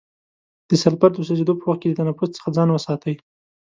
د سلفر د سوځیدو په وخت کې د تنفس څخه ځان وساتئ.